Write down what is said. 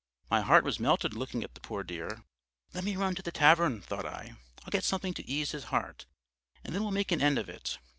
My heart was melted looking at the poor dear. 'Let me run to the tavern,' thought I, 'I'll get something to ease his heart, and then we'll make an end of it.